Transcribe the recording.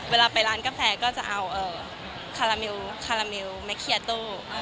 เวลาไปร้านกาแฟก็จะเอาคารามิลคารามิลแมคเคียตู้